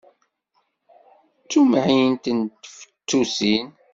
D tumεint n tfettusin!